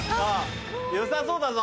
よさそうだぞ！